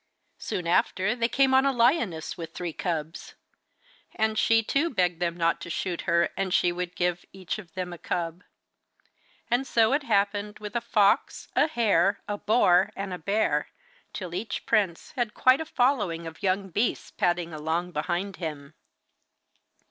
Soon after they came on a lioness with three cubs. And she too begged them not to shoot her, and she would give each of them a cub. And so it happened with a fox, a hare, a boar, and a bear, till each prince had quite a following of young beasts padding along behind him.